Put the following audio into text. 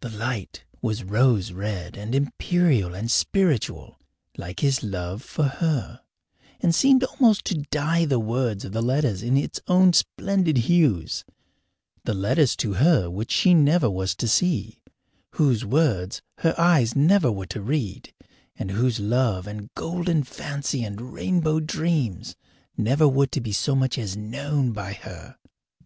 The light was rose red and imperial and spiritual, like his love for her, and seemed almost to dye the words of the letters in its own splendid hues the letters to her which she never was to see, whose words her eyes never were to read, and whose love and golden fancy and rainbow dreams never were to be so much as known by her.